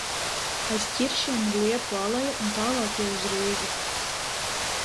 Aiz ķiršiem ir liepu aleja un tālāk jau uz Rīgu.